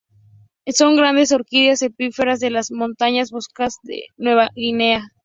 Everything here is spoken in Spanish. Son grandes orquídeas epífitas de las montañas boscosas de Nueva Guinea.